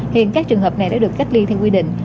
hiện các trường hợp này đã được cách ly theo quy định